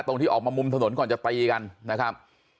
ที่ออกมามุมถนนก่อนจะตีกันนะครับ